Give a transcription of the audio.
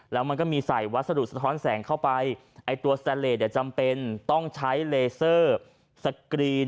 แล้วมันก็มีใส่วัสดุสะท้อนแสงเข้าไปไอ้ตัวสแตนเลสจำเป็นต้องใช้เลเซอร์สกรีน